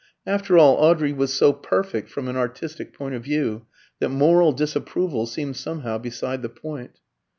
After all, Audrey was so perfect from an artistic point of view that moral disapproval seemed somehow beside the point.'